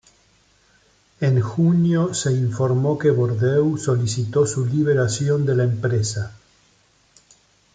En junio, se informó que Bordeaux solicitó su liberación de la empresa.